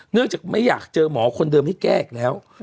เนื่องจากไม่อยากเจอหมอคนเดิมให้แก้อีกแล้ว